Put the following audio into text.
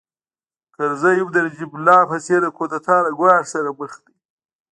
کرزی هم د نجیب الله په څېر د کودتا له ګواښ سره مخ دی